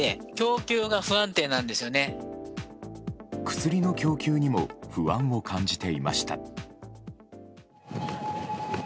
薬の供給にも不安を感じていました。